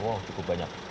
wow cukup banyak